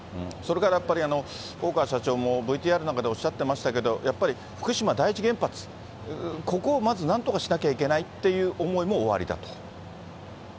それからやっぱり、大川社長もＶＴＲなんかでおっしゃってましたけど、やっぱり福島第一原発、ここをまずなんとかしなきゃいけないっていう思いもおありだと。